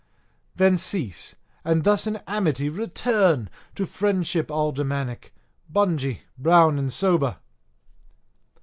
Then cease, and thus in amity return to friendship aldermanic, bungy, brown, and sober."